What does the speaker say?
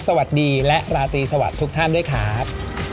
สวัสดีและราตรีสวัสดีทุกท่านด้วยครับ